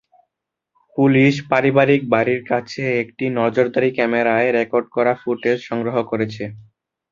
Police পারিবারিক বাড়ির কাছে একটি নজরদারি ক্যামেরায় রেকর্ড করা ফুটেজ সংগ্রহ করেছে।